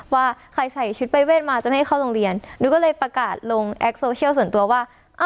ว่าใครใส่ชุดปรายเวทมาจะไม่ให้เข้าโรงเรียนหนูก็เลยประกาศลงแอคโซเชียลส่วนตัวว่า